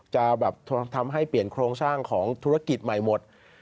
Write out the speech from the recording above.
จะแบบทำให้เปลี่ยนโครงสร้างของธุรกิจใหม่หมด